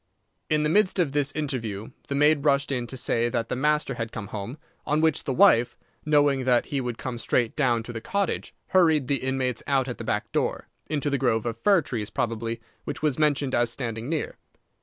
In the midst of this interview the maid rushed in to say that the master had come home, on which the wife, knowing that he would come straight down to the cottage, hurried the inmates out at the back door, into the grove of fir trees, probably, which was mentioned as standing near.